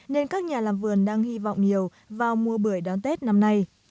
nên các nhà làm vườn đang hy vọng nhiều vào mùa bưởi đón tết năm nay